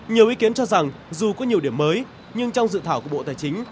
nhiều ý kiến cho rằng dù có nhiều điểm mới nhưng trong dự thảo của bộ tài chính